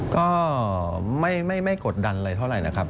ก็ไม่กดดันอะไรเท่าไหร่นะครับ